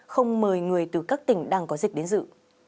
không mời người từ các tỉnh đang có dịch đến dự